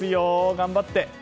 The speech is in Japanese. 頑張って！